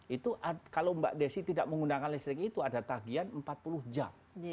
itu kalau mbak desi tidak menggunakan listrik itu ada tagian empat puluh jam